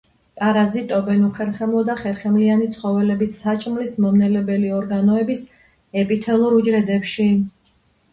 პარაზიტობენ უხერხემლო და ხერხემლიანი ცხოველების საჭმლის მომნელებელი ორგანოების ეპითელურ უჯრედებში.